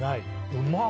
うまい！